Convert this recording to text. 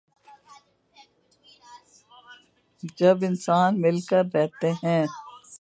جب انسان مل کر رہتے ہیں۔